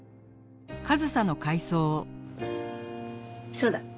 そうだ。